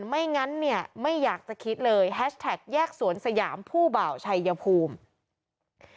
ไม่งั้นเนี่ยไม่อยากจะคิดเลยแฮชแท็กแยกสวนสยามผู้บ่าวชัยภูมิ